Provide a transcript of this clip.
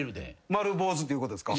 丸坊主っていうことですか？